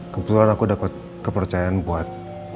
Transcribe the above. kebetulan aku dapat kepercayaan buat